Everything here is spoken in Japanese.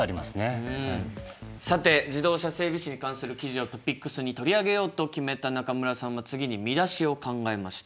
さて自動車整備士に関する記事をトピックスに取り上げようと決めた中村さんは次に見出しを考えました。